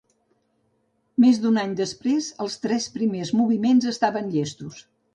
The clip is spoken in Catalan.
Més d'un any després, els tres primers moviments estaven llestos.